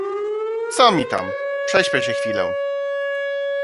Co mi tam, prześpię się chwilę.